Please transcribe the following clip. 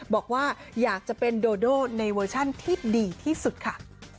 บอกว่าอยากจะเป็นโดโดในเวอร์ชันที่ดีที่สุดค่ะ